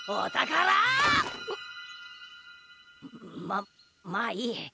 ままあいい。